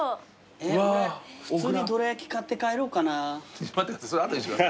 えっ普通にどら焼き買って帰ろうかな。